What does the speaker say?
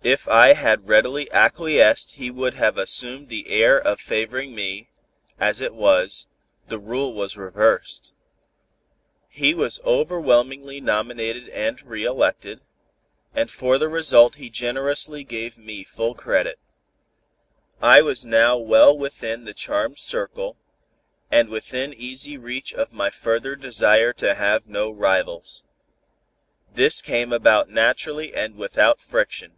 If I had readily acquiesced he would have assumed the air of favoring me, as it was, the rule was reversed. He was overwhelmingly nominated and re elected, and for the result he generously gave me full credit. I was now well within the charmed circle, and within easy reach of my further desire to have no rivals. This came about naturally and without friction.